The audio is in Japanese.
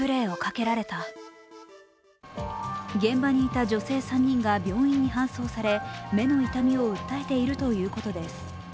現場にいた女性３人が病院に搬送され、目の痛みを訴えているということです。